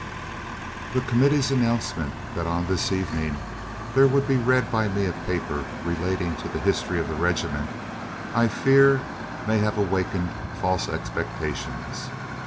The committee's announcement, that on this evening there would be read by me a paper relating to the history of the regiment, I fear may have awakened false expectations.